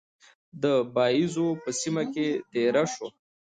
د باییزو په سیمه کې دېره شو.